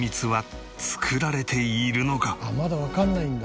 まだわかんないんだ。